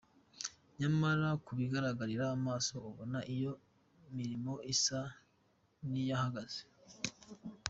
Nyamara ku bigaragarira amaso ubona iyo mirimo isa n’iyahagaze.